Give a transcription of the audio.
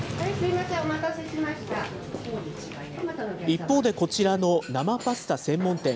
一方で、こちらの生パスタ専門店。